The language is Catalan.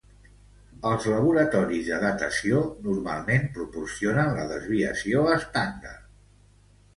Els laboratoris de datació normalment proporcionen la desviació estàndard.